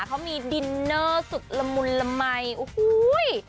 เขามีดินเนอร์สุดละมุนละมัยโอ้โห